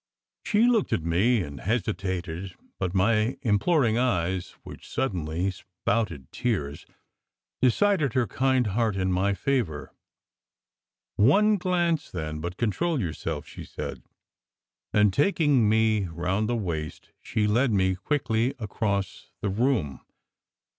She looked at me and hesitated; but my imploring eyes, which suddenly spouted tears, decided her kind heart in my favour. "One glance, then; but control yourself," she said. And taking me round the waist, she led me quickly across the room.